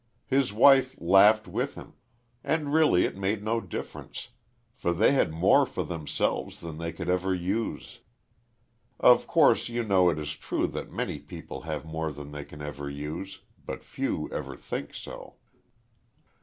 His wife laughed with him. And really it made no difference; for they had more for themselves than they could ever use. Of course, you know, it is true that many people have more than they can ever use; but few ever think so.